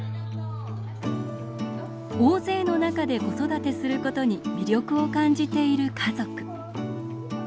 大勢の中で子育てすることに魅力を感じている家族。